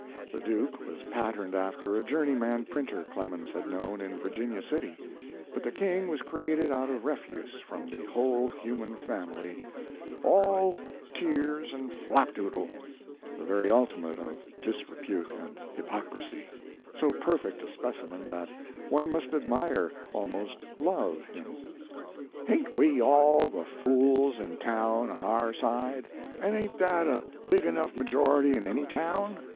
The Duke was patterned after a journeyman printer Clemens had known in Virginia City, but the King was created out of refuse from the whole human family "all tears and flapdoodle," the very ultimate of disrepute and hypocrisy so perfect a specimen that one must admire, almost love, him. "Hain't we all the fools in town on our side? and ain't that a big enough majority in any town?"